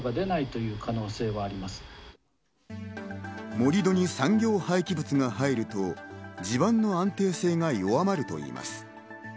盛り土に産業廃棄物が入ると地盤の安定性が弱まるといいます。